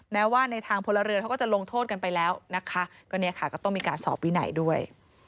แม้ว่าในทางพลเรือนเขาก็จะลงโทษกันไปแล้วนะคะก็เนี่ยค่ะก็ต้องมีการสอบวินัยด้วย